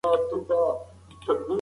د اصلاح موخه يې د سزا اصل باله.